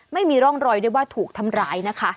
ไม่มีร่องรอยด้วยว่าถูกทำร้ายนะคะ